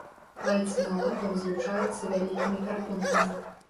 Пальцы на лапах злучаюцца вялікімі перапонкамі.